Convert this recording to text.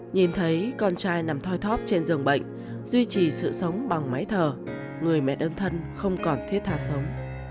nhìn thấy con trai nằm thoi thóp trên giường bệnh duy trì sự sống bằng máy thở người mẹ đơn thân không còn thiết tha sống